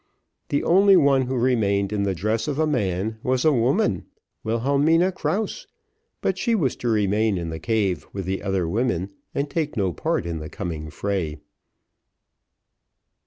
The only one who remained in the dress of a man was a woman, Wilhelmina Krause, but she was to remain in the cave with the other women, and take no part in the coming fray.